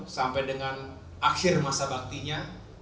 sampai dengan akhir masa baktinya